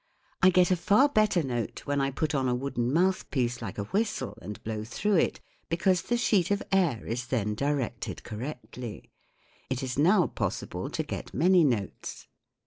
I get a far better note when I put on a wooden mouthpiece like a whistle and blow through it, because the sheet of air is then directed correctly. It is now possible to get many notes.